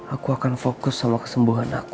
aku akan fokus sama kesembuhan aku